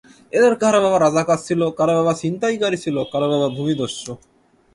এঁদের কারও বাবা রাজাকার ছিল, কারও বাবা ছিনতাইকারী ছিল, কারও বাবা ভূমিদস্যু।